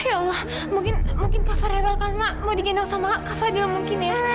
ya allah mungkin kava rebel karena mau digendong sama kak kava tidak mungkin ya